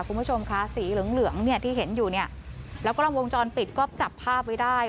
คุณผู้ชมค่ะสีเหลืองเหลืองเนี่ยที่เห็นอยู่เนี่ยแล้วก็ลำวงจรปิดก็จับภาพไว้ได้